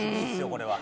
これは。